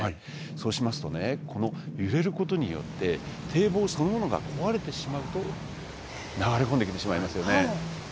そうしますとね揺れることによって堤防そのものが壊れてしまうと流れ込んできてしまいますよね。